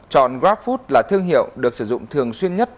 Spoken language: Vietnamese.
chọn grabfood là thương hiệu được sử dụng thường xuyên nhất